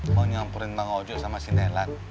mau nyamperin tangan wajah sama si nelan